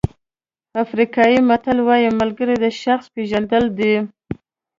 افریقایي متل وایي ملګري د شخص پېژندل دي.